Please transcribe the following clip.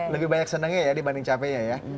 lebih banyak senangnya ya dibanding capeknya ya